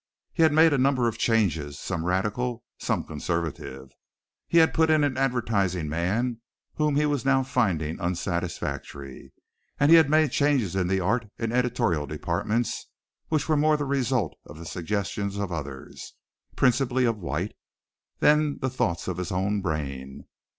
He had made a number of changes, some radical, some conservative. He had put in an advertising man whom he was now finding unsatisfactory, and had made changes in the art and editorial departments which were more the result of the suggestions of others, principally of White, than the thoughts of his own brain.